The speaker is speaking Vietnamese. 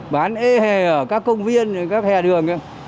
bán ê hề ở các công viên các hề đường